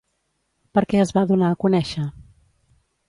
Per què es va donar a conèixer?